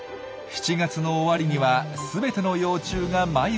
７月の終わりには全ての幼虫が繭になり。